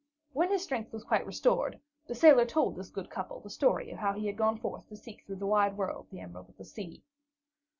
When his strength was quite restored, the sailor told this good couple the story of how he had gone forth to seek through the wide world the Emerald of the Sea.